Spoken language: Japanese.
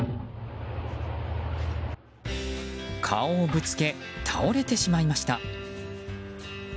顔をぶつけ、倒れてしまいました。